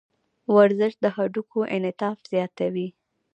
ورزش د هډوکو انعطاف زیاتوي.